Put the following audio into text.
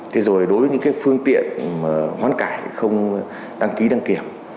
thế rồi đối với những phương tiện hoán cải không đăng ký đăng kiểm